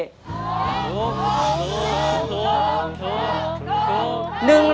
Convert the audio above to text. ถูกถูกถูกถูก